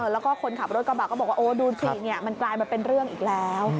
แล้วก็คนขับรถกระบะก็บอกว่าโอ้ดูสิมันกลายมาเป็นเรื่องอีกแล้ว